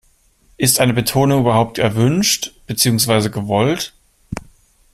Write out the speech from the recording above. Ist eine Betonung überhaupt erwünscht, beziehungsweise gewollt?